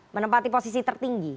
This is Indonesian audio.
menempati posisi tertinggi